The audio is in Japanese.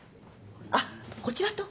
あっこちらと？